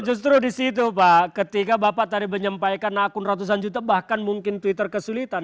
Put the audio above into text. justru di situ pak ketika bapak tadi menyampaikan akun ratusan juta bahkan mungkin twitter kesulitan